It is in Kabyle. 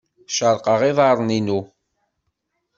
Cerrqeɣ iḍarren-inu.